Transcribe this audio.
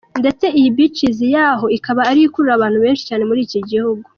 Ndetse iyi Beaches yaho ikaba ariyo ikurura abantu benshi cyane muri iki gihugu.